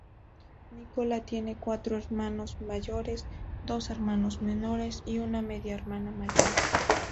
Nicola tiene cuatro hermanos mayores, dos hermanos menores, y una media hermana mayor.